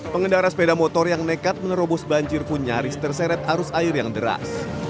pengendara sepeda motor yang nekat menerobos banjir pun nyaris terseret arus air yang deras